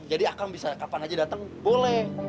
jadi akang bisa kapan saja datang boleh